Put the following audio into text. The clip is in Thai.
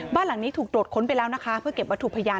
บ้านหลังนี้ถูกตรวจค้นไปแล้วนะคะเพื่อเก็บวัตถุพยาน